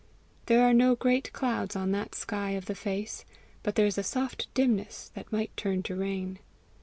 There are no great clouds on that sky of the face, but there is a soft dimness that might turn to rain.